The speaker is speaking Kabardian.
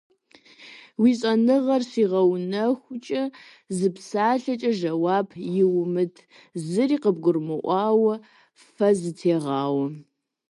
Уи щӏэныгъэр щигъэунэхукӏэ, зы псалъэкӏэ жэуап иумыт, зыри къыбгурмыӏуауэ фэ зытегъауэ.